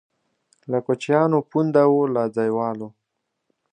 له کوچیانو پونده وو له ځایوالو.